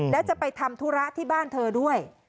แล้วจะไปทำธุระที่บ้านเธอด้วย